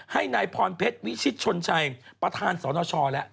ให้นายพรเพชรวิชิตชนชัยประธานสนชแล้ว